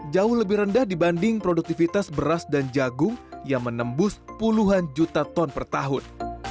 jauh lebih rendah dibanding produktivitas beras dan jagung yang menembus puluhan juta ton per tahun